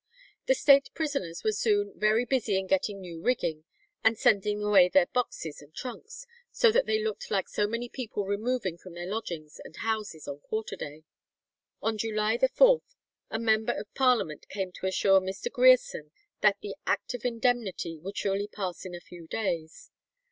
The State prisoners were soon "very busy in getting new rigging, and sending away their boxes and trunks; so that they looked like so many people removing from their lodgings and houses on quarter day." On July 4th a member of Parliament came to assure Mr. Grierson that the Act of Indemnity would surely pass in a few days.